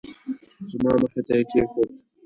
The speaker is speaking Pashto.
زما مخې ته یې کېښود.